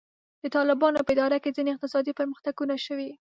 د طالبانو په اداره کې ځینې اقتصادي پرمختګونه شوي.